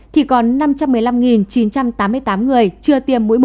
thì còn năm trăm một mươi năm chín trăm tám mươi tám người chưa tiêm mũi một